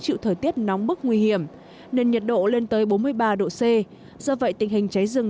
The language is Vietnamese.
chịu thời tiết nóng bức nguy hiểm nên nhiệt độ lên tới bốn mươi ba độ c do vậy tình hình cháy rừng